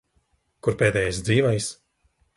Kur pēdējais dzīvais?